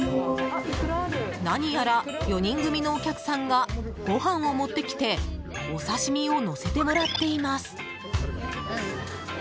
何やら４人組のお客さんがご飯を持ってきてお刺し身をのせてもらっています。